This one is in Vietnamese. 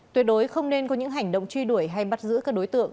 tuyệt đối không nên có những hành động truy đuổi hay bắt giữ các đối tượng